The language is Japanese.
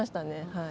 はい。